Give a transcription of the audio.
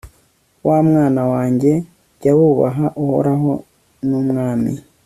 mwana wanjye, jya wubaha uhoraho n'umwami